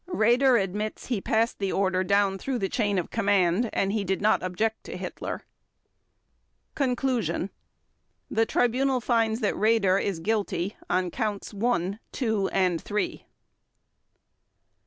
Raeder admits he passed the order down through the chain of command, and he did not object to Hitler. Conclusion The Tribunal finds that Raeder is guilty on Counts One, Two, and Three.